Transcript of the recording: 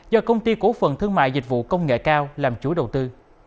do công ty cổ phần thương mại dịch vụ công nghệ cao làm chủ đầu tư